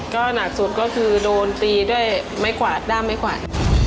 ก็หนักสุดก็คือโดนตีด้วยไม้กวาดด้ามไม้กวาด